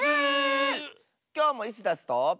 きょうもイスダスと。